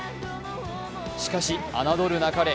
しかし、侮るなかれ。